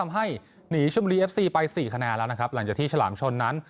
ให้หนีชมบุรีเอฟซีไป๔คะแนนแล้วนะครับหลังจากที่ฉลามชนนั้น